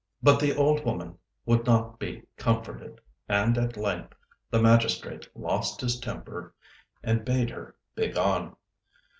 But the old woman would not be comforted, and at length the magistrate lost his temper and bade her begone.